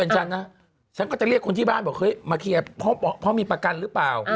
ฉันนะฉันก็จะเรียกคนที่บ้านบอกเฮ้ยมาเคลียร์เพราะมีประกันหรือเปล่า